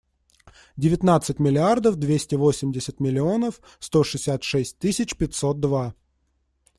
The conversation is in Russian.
Девятнадцать миллиардов двести восемьдесят миллионов сто шестьдесят шесть тысяч пятьсот два.